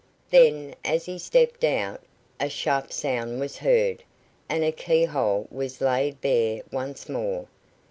Then, as he stepped out, a sharp sound was heard, and a key hole was laid bare once more.